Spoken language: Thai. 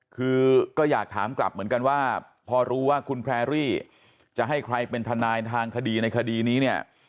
คือก็อยากถามกลับเหมือนกันว่าพอรู้ว่าคุณแพรรี่จะให้ใครเป็นทนายทางคดีในคดีนี้เนี่ย